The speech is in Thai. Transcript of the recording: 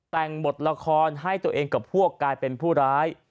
แต่งบทละครให้ตัวเองกับพวกกลายเป็นผู้ร้าย